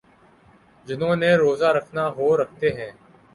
جنہوں نے روزہ رکھنا ہو رکھتے ہیں۔